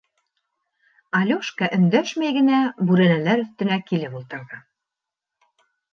Алёшка өндәшмәй генә бүрәнәләр өҫтөнә килеп ултырҙы.